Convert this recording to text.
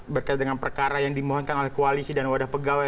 berkait dengan perkara yang dimohonkan oleh koalisi dan wadah pegawai